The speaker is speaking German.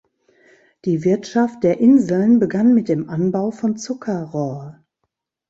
Die Wirtschaft der Inseln begann mit dem Anbau von Zuckerrohr.